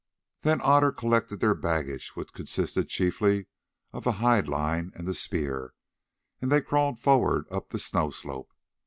Then Otter collected their baggage, which consisted chiefly of the hide line and the spear, and they crawled forward up the snow slope.